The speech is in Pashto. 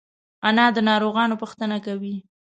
انا د ناروغانو پوښتنه کوي